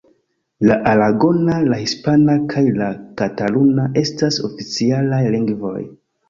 La aragona, la hispana kaj la kataluna estas oficialaj lingvoj.